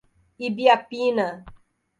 Ibiapina